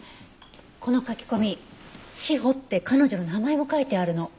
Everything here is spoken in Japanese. この書き込み「詩帆」って彼女の名前も書いてあるの。